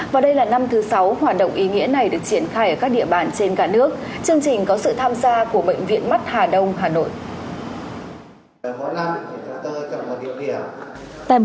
và đây là năm thứ sáu hoạt động ý nghĩa này được triển khai ở các địa bàn trên cả nước chương trình có sự tham gia của bệnh viện mắt hà đông hà nội